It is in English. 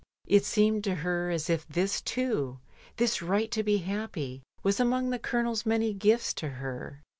It seemed to her as if this too, this right to be happy, was among the Colonel's many gifts to her.